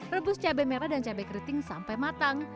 rebus cabai merah dan cabai keriting sampai matang